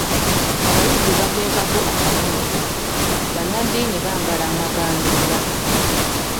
Abayizi bateekako akabonero, bannaddiini bambala amaganduula.